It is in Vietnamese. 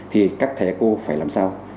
thì các thầy cô phải làm sao